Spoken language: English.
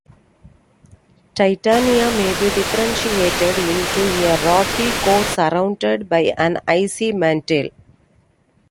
Titania may be differentiated into a rocky core surrounded by an icy mantle.